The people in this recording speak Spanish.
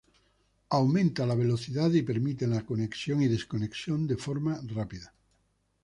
Aumenta la velocidad y permite la conexión y desconexión de forma rápida.